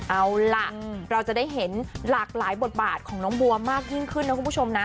เอาล่ะเราจะได้เห็นหลากหลายบทบาทของน้องบัวมากยิ่งขึ้นนะคุณผู้ชมนะ